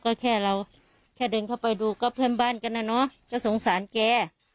ก็แค่เราแค่เดินเข้าไปดูก็เพื่อนบ้านกันนะเนอะก็สงสารแก